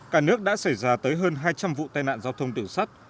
cả nước đã xảy ra tới hơn hai trăm linh vụ tai nạn giao thông tiểu sắt